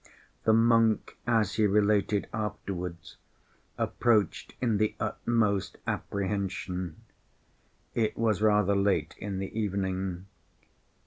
The monk, as he related afterwards, approached in the utmost apprehension. It was rather late in the evening.